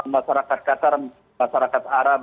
masyarakat qatar masyarakat arab